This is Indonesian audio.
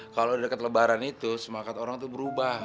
kalau udah dekat lebaran itu semangat orang tuh berubah